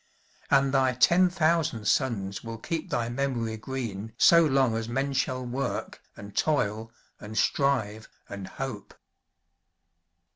And thy ten thousand sons will keep thy memory green so long as men shall work, and toil, and strive, and hope."